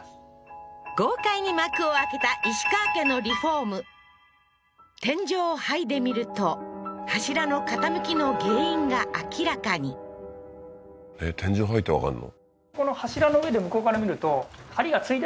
豪快に幕を明けた石川家のリフォーム天井を剥いでみると柱の傾きの原因が明らかにえっ天井剥いでわかるの？